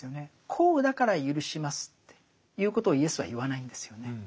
こうだからゆるしますっていうことをイエスは言わないんですよね。